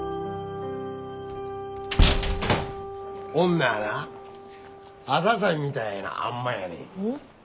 女はなアサさんみたいなあん摩やねん。